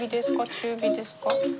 中火ですか？